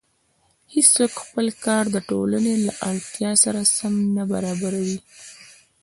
هېڅوک خپل کار د ټولنې له اړتیا سره سم نه برابروي